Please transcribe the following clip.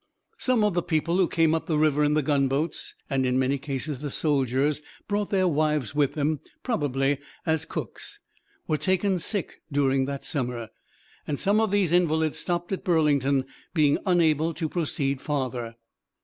Some of the people who came up the river in the gunboats and in many cases the soldiers brought their wives with them, probably as cooks were taken sick during that summer; and some of these invalids stopped at Burlington, being unable to proceed farther.